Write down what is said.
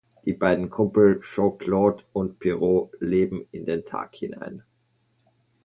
Die beiden Kumpel Jean-Claude und Pierrot leben in den Tag hinein.